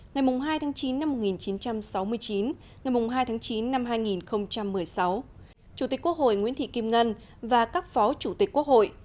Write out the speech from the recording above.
ngày hai tháng chín năm một nghìn chín trăm sáu mươi chín ngày hai tháng chín năm hai nghìn một mươi sáu chủ tịch quốc hội nguyễn thị kim ngân và các phó chủ tịch quốc hội